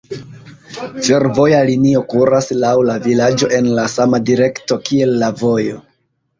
Fervoja linio kuras laŭ la vilaĝo en la sama direkto kiel la vojo.